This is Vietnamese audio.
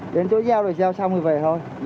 đến chỗ giao rồi giao xong rồi về thôi